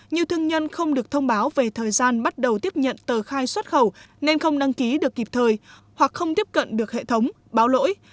nhiều thương nhân không được thông báo về thời gian bắt đầu tiếp nhận tờ khai xuất khẩu nên không đăng ký được kịp thời hoặc không tiếp cận được hệ thống báo lỗi